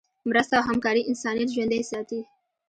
مرسته او همکاري انسانیت ژوندی ساتي.